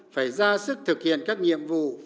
phải ra sức thực hiện các nhiệm vụ